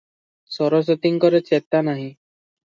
ସରସ୍ୱତୀଙ୍କର ଚେତା ନାହିଁ ।